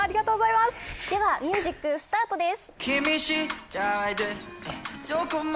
ではミュージックスタートです。